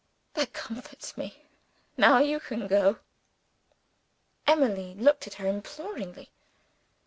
that comforts me! Now you can go." Emily looked at her imploringly.